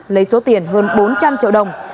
lấy số tiền hơn bốn trăm linh triệu đồng